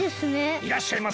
いらっしゃいませ！